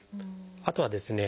あとはですね